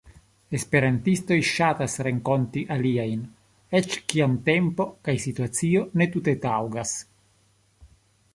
Esperantistoj ŝatas renkonti aliajn, eĉ kiam tempo kaj situacio ne tute taŭgas.